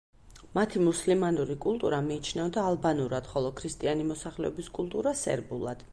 მათი მუსლიმანური კულტურა მიიჩნეოდა ალბანურად, ხოლო ქრისტიანი მოსახლეობის კულტურა სერბულად.